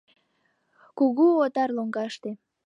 Кугу отар лоҥгаште